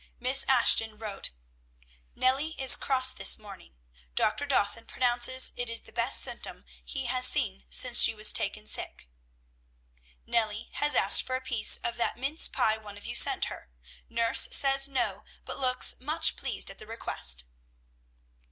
Miss Ashton wrote, "Nellie is cross this morning. Dr. Dawson pronounces it the best symptom he has seen since she was taken sick." "Nellie has asked for a piece of that mince pie one of you sent her. Nurse says, 'No,' but looks much pleased at the request."